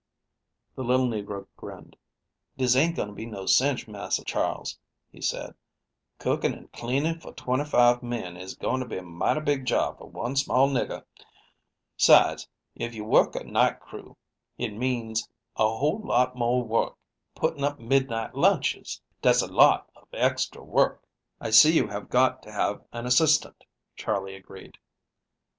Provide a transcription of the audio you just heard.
The little negro grinned. "Dis ain't going to be no cinch, Massa Charles," he said. "Cooking and cleaning up for twenty five men is goin' to be a mighty big job for one small nigger. 'Sides, if you work a night crew hit means a whole lot more work putting up midnight lunches. Dat's a lot of extra work." "I see you have got to have an assistant," Charley agreed.